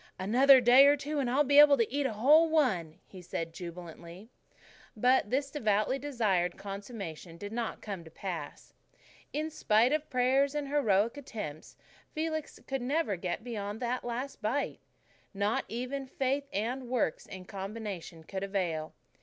"Another prayer or two, and I'll be able to eat a whole one," he said jubilantly. But this devoutly desired consummation did not come to pass. In spite of prayers and heroic attempts, Felix could never get beyond that last bite. Not even faith and works in combination could avail.